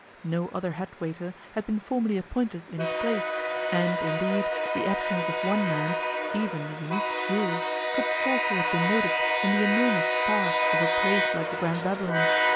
No other head waiter had been formally appointed in his place; and, indeed, the absence of one man even the unique Jules could scarcely have been noticed in the enormous staff of a place like the Grand Babylon.